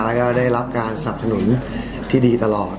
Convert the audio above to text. แล้วก็ได้รับการสนับสนุนที่ดีตลอด